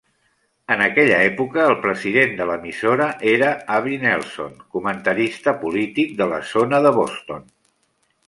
En aquella època, el president de l'emissora era Avi Nelson, comentarista polític de la zona de Boston.